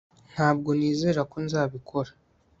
Ntabwo nizera ko nzabikora